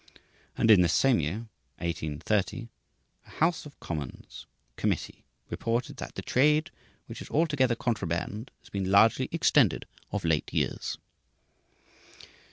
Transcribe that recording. And in this same year, 1830, a House of Commons committee reported that "The trade, which is altogether contraband, has been largely extended of late years."